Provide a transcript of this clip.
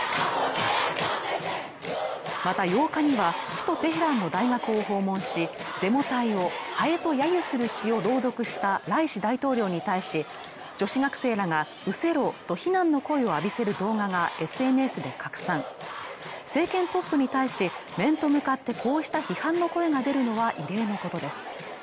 また８日には首都テヘランの大学を訪問しデモ隊をハエと揶揄する詩を朗読したライシ大統領に対し女子学生らが失せろと非難の声を浴びせる動画がＳＮＳで拡散政権トップに対し面と向かってこうした批判の声が出るのは異例のことです